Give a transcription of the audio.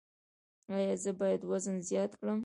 ایا زه باید وزن زیات کړم؟